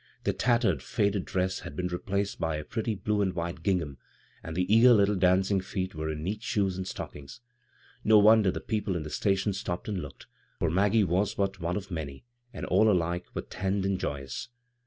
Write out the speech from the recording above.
The tat tered ^ed dress had been replaced by a pretty blue and white gingham, and the eager little dancing feet were in neat shoes and stockings. No wonder the people in the sta tion stopped and looked, for Maggie was but one of many, and all alike were tanned and joyous.